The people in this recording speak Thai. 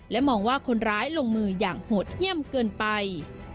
มองว่าคนร้ายลงมืออย่างโหดเยี่ยมเกินไป